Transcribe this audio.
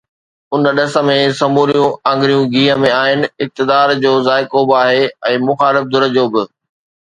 ان ڏس ۾ سموريون آڱريون گيهه ۾ آهن، اقتدار جو ذائقو به آهي ۽ مخالف ڌر جو به.